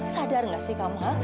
sadar nggak sih kamu